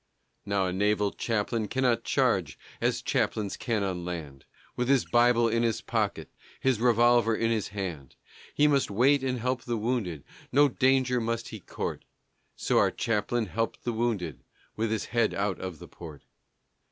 Now, a naval chaplain cannot charge As chaplains can on land, With his Bible in his pocket, His revolver in his hand, He must wait and help the wounded, No danger must he court; So our chaplain helped the wounded With his head out of the port.